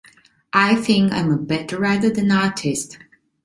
I think I'm a better writer than artist.